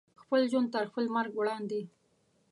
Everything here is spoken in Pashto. خپل ژوند تر خپل مرګ وړاندې